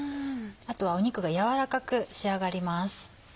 あとは肉が軟らかく仕上がります。